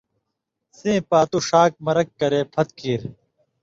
سِیں پاتُو ݜاک مرک کرے پُھٹ کیریۡ